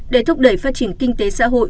để thúc đẩy phát triển kinh tế xã hội